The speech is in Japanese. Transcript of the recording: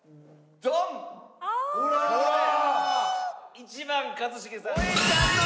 １番一茂さん。